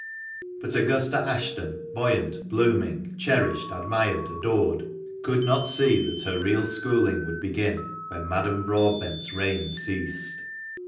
But Augusta Ashton, buoyant, blooming, cherished, admired, adored, could not see that her real schooling would begin when Madame Broadbent's reign ceased.